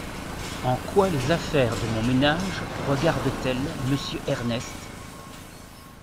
En quoi les affaires de mon ménage regardent-elles Monsieur Ernest ?